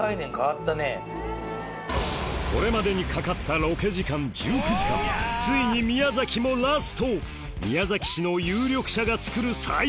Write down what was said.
これまでにかかったロケ時間１９時間ついにお邪魔します！